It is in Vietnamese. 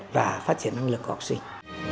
và phát triển năng lực học sinh